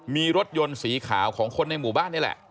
มีรถยนต์สีขาวของคนในหมู่บ้านนี่แหละ